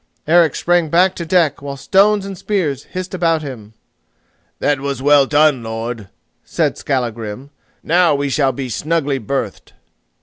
Eric sprang back to deck while stones and spears hissed about him. "That was well done, lord," said Skallagrim; "now we shall be snugly berthed."